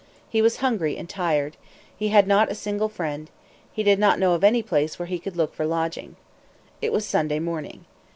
He was hungry and tired. He had not a single friend. He did not know of anyplace where he could look for lodging. It was Sunday morning.